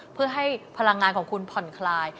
เพื่อให้พลังงานของคุณผ่อนคลาย